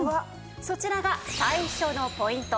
そちらが最初のポイント